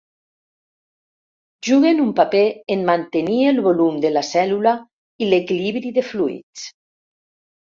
Juguen un paper en mantenir el volum de la cèl·lula i l'equilibri de fluids.